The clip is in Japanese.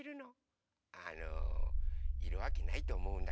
あのいるわけないとおもうんだけど。